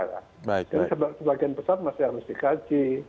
jadi sebagian besar masih harus dikaji